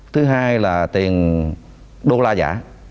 thứ hai là tiền đô la giả